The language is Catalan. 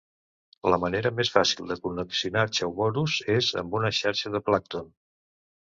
La manera més fàcil de col·leccionar chaoborus és amb una xarxa de plàncton.